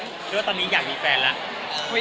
เพราะว่าตอนนี้อยากมีแฟนละ